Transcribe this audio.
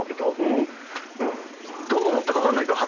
どう思ったか分かんないけど。